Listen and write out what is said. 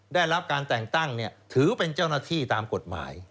ได้รับการแต่งตั้งถือเป็นเจ้าหน้าที่ตามกฎหมาย